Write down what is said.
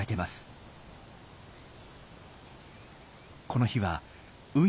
この日は運